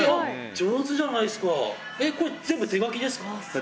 上手じゃないですかえっこれ全部手描きですか？